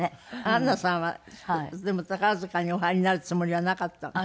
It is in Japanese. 安奈さんはでも宝塚にお入りになるつもりはなかったの？